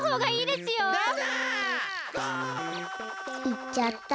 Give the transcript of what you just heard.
いっちゃった。